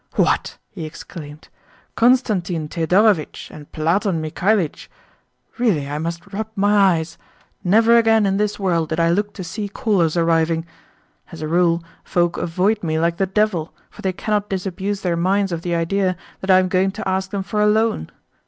"What?" he exclaimed. "Constantine Thedorovitch and Platon Mikhalitch? Really I must rub my eyes! Never again in this world did I look to see callers arriving. As a rule, folk avoid me like the devil, for they cannot disabuse their minds of the idea that I am going to ask them for a loan.